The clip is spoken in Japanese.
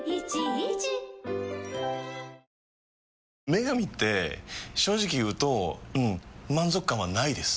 「麺神」って正直言うとうん満足感はないです。